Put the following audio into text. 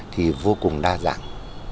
thì vô cùng đa dạng